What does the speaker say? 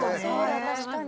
確かに。